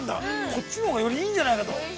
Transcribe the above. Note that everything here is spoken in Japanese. こっちのほうがよりいいんじゃないかと。